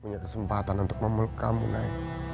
mungkin kesempatan untuk memuluk kamu nay